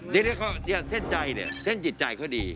เส้นใจเนี่ยเส้นจิตใจเขาดี